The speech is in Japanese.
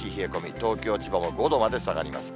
東京、千葉も５度まで下がります。